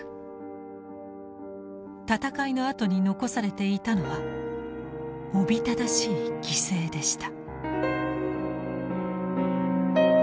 戦いのあとに残されていたのはおびただしい犠牲でした。